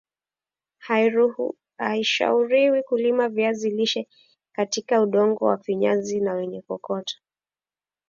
haishauriwi kulima viazi lishe katika udongo wa mfinyazi na wenye kokoto